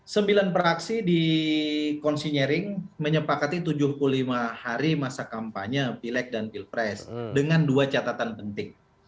sembilan praksi di consinyering menyepakati tujuh puluh lima hari masa kampanye pileg dan pilpres dengan dua catatan penting